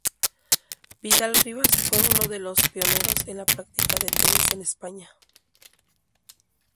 Vidal-Ribas fue uno de los pioneros en la práctica del tenis en España.